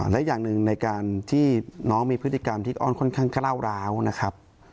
และอย่างหนึ่งในการที่น้องมีพฤติกรรมที่อ้อนค่อนข้างกล้าวร้าวนะครับ